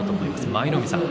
舞の海さん